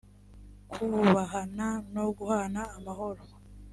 kubahana no guhana amahoro